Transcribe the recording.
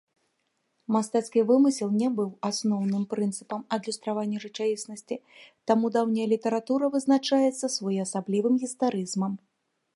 Мастацкі вымысел не быў асноўным прынцыпам адлюстравання рэчаіснасці, таму даўняя літаратура вызначаецца своеасаблівым гістарызмам.